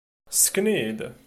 Ssken-iyi-d!